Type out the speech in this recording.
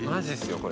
これ。